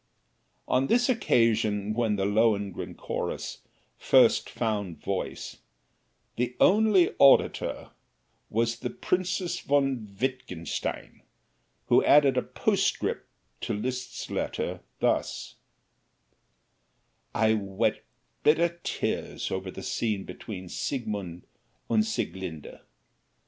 On this occasion, when the "Lohengrin Chorus" first found voice, the only auditor was the Princess von Wittgenstein, who added a postscript to Liszt's letter, thus: "I wept bitter tears over the scene between Siegmund and Sieglinde!